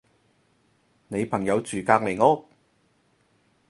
你朋友住隔離屋？